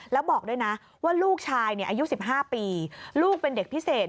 แล้วบอกด้วยนะว่าลูกชายอายุ๑๕ปีลูกเป็นเด็กพิเศษ